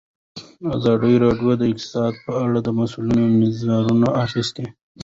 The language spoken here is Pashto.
ازادي راډیو د اقتصاد په اړه د مسؤلینو نظرونه اخیستي.